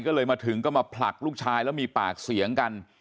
ก็เลยมาถึงก็มาผลักลูกชายแล้วมีปากเสียงกัน